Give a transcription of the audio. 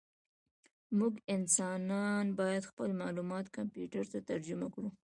موږ انسانان باید خپل معلومات کمپیوټر ته ترجمه کړو.